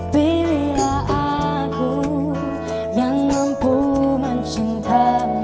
pilihlah aku yang mampu mencintamu